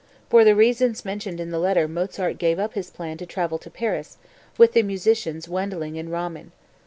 For the reasons mentioned in the letter Mozart gave up his plan to travel to Paris with the musicians Wendling and Ramen.